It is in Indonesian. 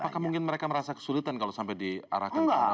apakah mungkin mereka merasa kesulitan kalau sampai di arafuru dan natuna